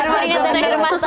keringat dan air mata